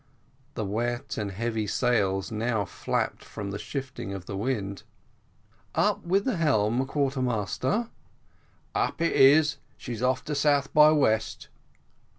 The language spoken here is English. The wet and heavy sails now flapped from the shifting of the wind. "Up with the helm, quarter master." "Up it is she's off to south by west."